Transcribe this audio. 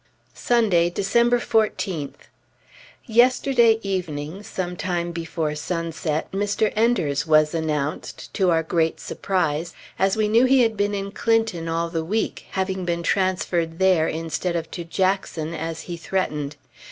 Sunday, December 14th. Yesterday evening, some time before sunset, Mr. Enders was announced, to our great surprise, as we knew he had been in Clinton all the week, having been transferred there instead of to Jackson, as he threatened.